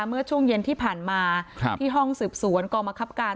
เมื่อช่วงเย็นที่ผ่านมาที่ห้องสืบสวนกองมะครับการ